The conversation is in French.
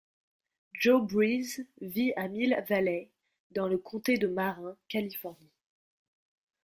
Joe Breeze vit à Mill Valley, dans le Comté de Marin, Californie.